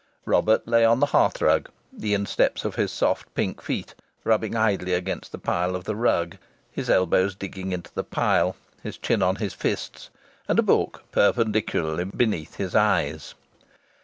Robert lay on the hearthrug, the insteps of his soft pink feet rubbing idly against the pile of the rug, his elbows digging into the pile, his chin on his fists, and a book perpendicularly beneath his eyes.